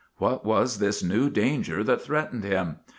What was this new danger that threatened him?